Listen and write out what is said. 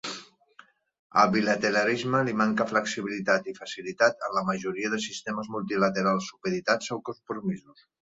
Al bilateralisme li manca flexibilitat i facilitat en la majoria de sistemes multilaterals supeditats als compromisos.